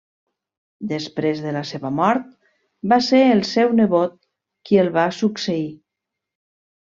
Després de la seva mort, va ser el seu nebot, qui el va succeir.